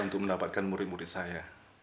untuk mendapatkan murid murid saya